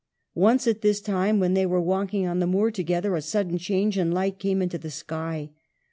Once, at this time, when they were walking on the moor together, a sudden change and light came into the sky.